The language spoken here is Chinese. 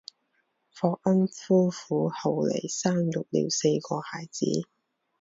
雷恩夫妇后来生育了四个孩子。